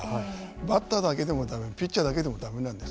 バッターだけでもだめピッチャーだけでもだめなんです。